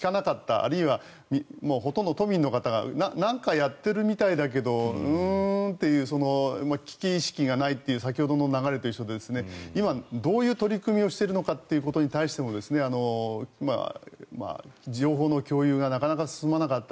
あるいはほとんど都民の方がなんかやってるみたいだけどうーんっていうその危機意識がないという先ほどの流れと一緒で今、どういう取り組みをしているのかということに対しても情報の共有がなかなか進まなかった。